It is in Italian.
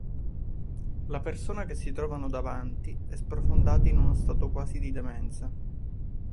La persona che si trovano davanti è sprofondata in uno stato quasi di demenza.